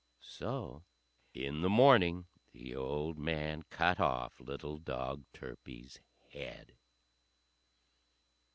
So in the morning the old man cut off little dog Turpie's head.